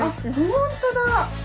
本当だ。